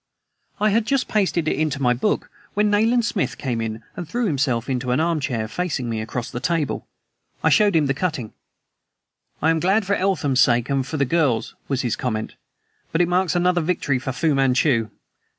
I had just pasted it into my book when Nayland Smith came in and threw himself into an arm chair, facing me across the table. I showed him the cutting. "I am glad, for Eltham's sake and for the girl's," was his comment. "But it marks another victory for Fu Manchu!